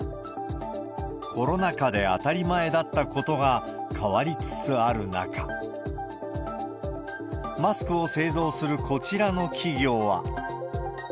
コロナ禍で当たり前だったことが変わりつつある中、マスクを製造するこちらの企業は。